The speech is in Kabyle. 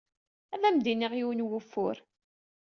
Ad am-d-inint yiwen n wufur.